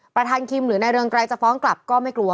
ประธานคิมหรือในเรื่องใกล้จะฟ้องกลับก็ไม่กลัว